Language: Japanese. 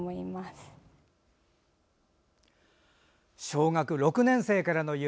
小学６年生からの夢。